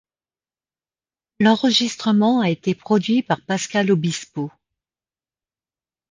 L'enregistrement a été produit par Pascal Obispo.